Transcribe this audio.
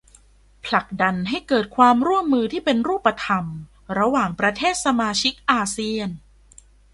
ผลักดันให้เกิดความร่วมมือที่เป็นรูปธรรมระหว่างประเทศสมาชิกอาเซียน